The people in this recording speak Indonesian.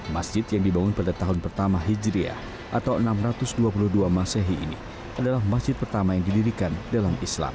masjid yang dibangun pada tahun pertama hijriah atau enam ratus dua puluh dua masehi ini adalah masjid pertama yang didirikan dalam islam